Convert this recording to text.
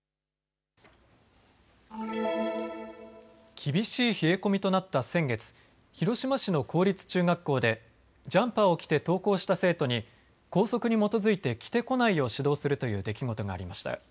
厳しい冷え込みとなった先月、広島市の公立中学校でジャンパーを着て登校した生徒に校則に基づいて着てこないよう指導するという出来事がありました。